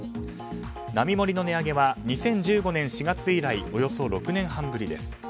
並盛の値上げは２０１５年以来およそ６年半ぶりです。